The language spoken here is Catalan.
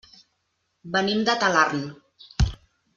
Venim de Talarn.